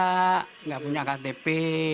tidak punya ktp